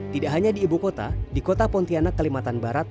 tidak hanya di ibukota di kota pontianak kalimantan barat